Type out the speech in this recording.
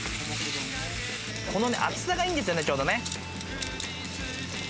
この厚さがいいんですよね、ちょうどね。